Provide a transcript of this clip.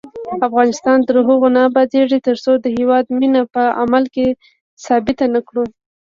افغانستان تر هغو نه ابادیږي، ترڅو د هیواد مینه په عمل کې ثابته نکړو.